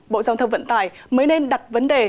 bộ giao thông vận tải mới nên đặt vấn đề